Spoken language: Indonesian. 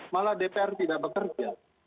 malah dpr tidak bekerja